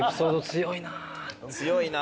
強いな。